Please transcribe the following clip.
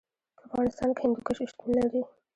په افغانستان کې هندوکش شتون لري.